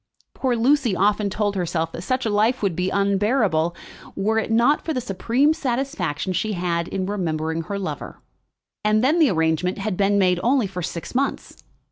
Poor Lucy often told herself that such a life would be unbearable, were it not for the supreme satisfaction she had in remembering her lover. And then the arrangement had been made only for six months.